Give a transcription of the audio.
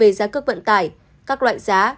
về giá cước vận tải các loại giá